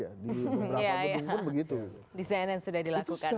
kan begitu di cnn sudah dilakukan ya